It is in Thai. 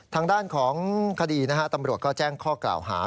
ทางด้านของคดีนะฮะตำรวจก็แจ้งข้อกล่าวหา